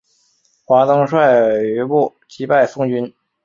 华登率余部击败宋军。